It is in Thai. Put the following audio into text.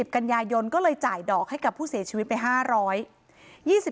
กันยายนก็เลยจ่ายดอกให้กับผู้เสียชีวิตไป๕๐๐บาท